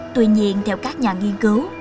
tuy nhiên theo các nhà nghiên cứu